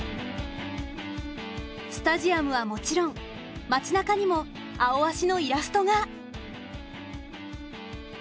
スタジアムはもちろん街なかにも「アオアシ」のイラストが。